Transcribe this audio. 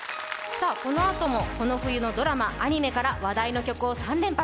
さあ、このあともこの冬のドラマ・アニメから話題の曲を３連発。